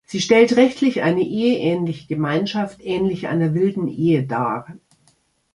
Sie stellt rechtlich eine eheähnliche Gemeinschaft ähnlich einer wilden Ehe dar.